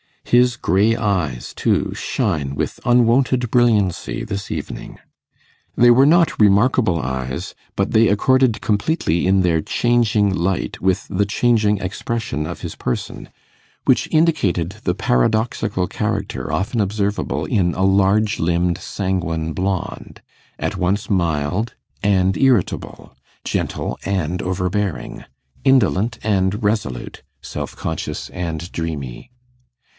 His grey eyes, too, shine with unwonted brilliancy this evening. They were not remarkable eyes, but they accorded completely in their changing light with the changing expression of his person, which indicated the paradoxical character often observable in a large limbed sanguine blond; at once mild and irritable, gentle and overbearing, indolent and resolute, self conscious and dreamy.